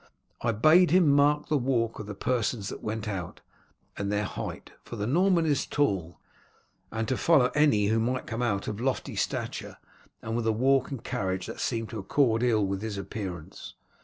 I bade him mark the walk of the persons that went out, and their height, for the Norman is tall, and to follow any who might come out of lofty stature, and with a walk and carriage that seemed to accord ill with his appearance.